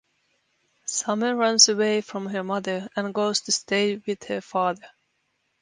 Summer runs away from her mother and goes to stay with her father.